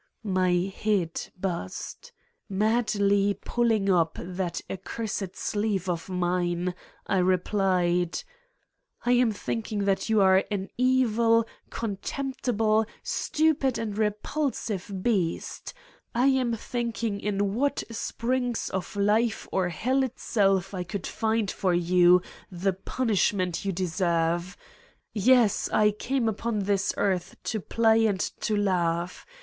My head buzzed. Madly pulling up that ac cursed sleeve of mine, I replied : "I am thinking that you are an evil, contempt ible, stupid and repulsive beast ! I am thinking in what springs of life or hell itself I could find for you the punishment you deserve! Yes, I came upon this earth to play and to laugh.